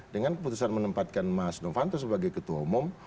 dengan keputusan menempatkan mas novanto sebagai ketua umum